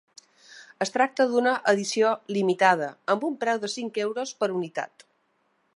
Es tracta d’una edició limitada, amb un preu de cinc euros per unitat.